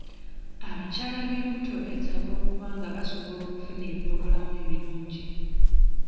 Abakyala b'embuto beetaaga okuba nga basobola okufuna eby'obulamu ebirungi.